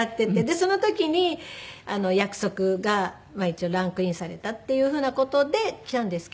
その時に『約束』が一応ランクインされたっていう風な事で来たんですけど。